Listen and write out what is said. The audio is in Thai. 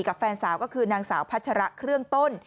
แฟนสาวก็คือนางสาวพัชระเครื่องต้น